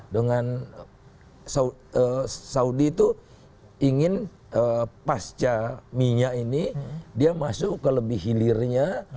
dengan saudi itu ingin pasca minyak ini dia masuk ke lebih hilirnya